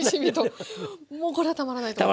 もうこれはたまらないと思います。